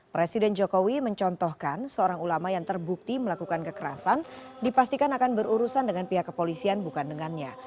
presiden jokowi mencontohkan seorang ulama yang terbukti melakukan kekerasan dipastikan akan berurusan dengan pihak kepolisian bukan dengannya